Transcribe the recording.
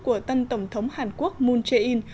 của tân tổng thống hàn quốc moon jae in